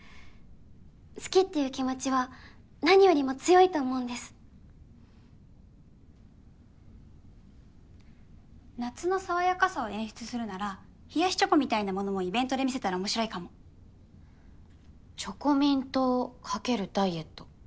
好きっていう気持ちは何よりも強いと思うんです夏の爽やかさを演出するなら冷やしチョコみたいなものもイベントで見せたら面白いかもチョコミン党×ダイエット